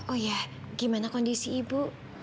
oh ya gimana kondisi ibu